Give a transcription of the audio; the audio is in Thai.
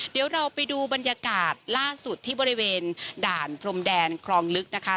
เดี๋ยวเราไปดูบรรยากาศล่าสุดที่บริเวณด่านพรมแดนคลองลึกนะคะ